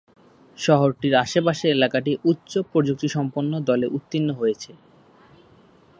শহরটির আশেপাশের এলাকাটি উচ্চ-প্রযুক্তিসম্পন্ন দলে উত্তীর্ণ হয়েছে।